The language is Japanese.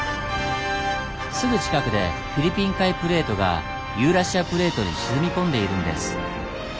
すぐ近くでフィリピン海プレートがユーラシアプレートに沈み込んでいるんです。